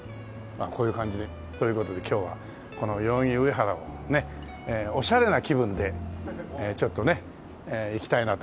こういう感じで。という事で今日はこの代々木上原をオシャレな気分でちょっとねいきたいなと思います。